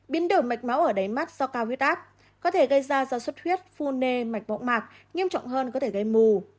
biến đổi mạch máu ở đáy mắt do cao nguyết áp có thể gây ra do suất thiết phu nê mạch bọ mạc nghiêm trọng hơn có thể gây mù